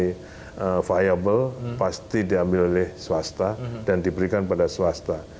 yang variable pasti diambil oleh swasta dan diberikan pada swasta